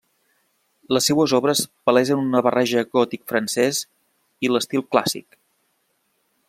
Les seues obres palesen una barreja gòtic francès i l'estil clàssic.